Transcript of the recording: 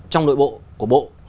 trong nội bộ của bộ